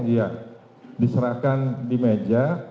iya diserahkan di meja